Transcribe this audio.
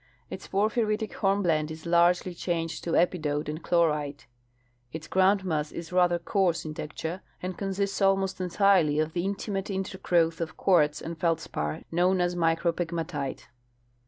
Its por phyritic hornblende is largely changed to epidote and chlorite. Its groundmass is rather coarse in texture, and consists almost entirely of the intimate intergrowth of quartz and feldspar known as micropegmatite.